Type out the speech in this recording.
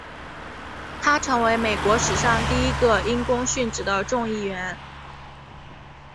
他成为美国史上第一个因公殉职的众议员。